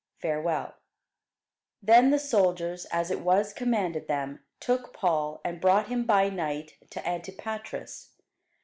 Farewell. [Sidenote: The Acts 24] Then the soldiers, as it was commanded them, took Paul, and brought him by night to Antipatris.